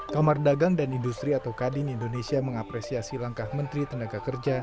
kamar dagang dan industri atau kadin indonesia mengapresiasi langkah menteri tenaga kerja